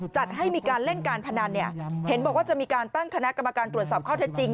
จัดให้มีการเล่นการพนันเนี่ยเห็นบอกว่าจะมีการตั้งคณะกรรมการตรวจสอบข้อเท็จจริง